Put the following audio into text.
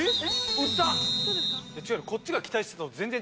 打った！